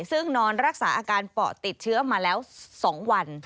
ซึ่งนอนรักษาอาการปอดติดเชื้อมาแล้ว๒วัน